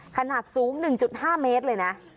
ขนาดสูง๑๕เมตรเลยนะ